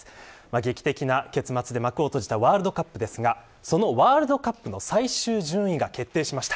劇的な結末で幕を閉じたワールドカップですがそのワールドカップの最終順位が決定しました。